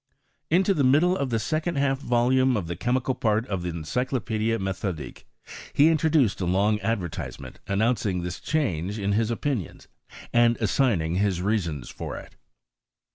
Into the middle of the second half volume of the chemical part of the Encyclopedic Methodique he introduced a long advertisement, announcing this change in his opinions, and assigning his reasons for it.